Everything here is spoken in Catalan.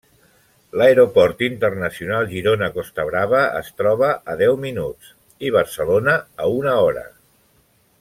L'Aeroport Internacional Girona Costa Brava es troba a deu minuts i Barcelona a una hora.